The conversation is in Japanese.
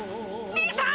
兄さん！